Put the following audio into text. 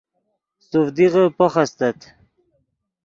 سوڤدیغے پوخ استت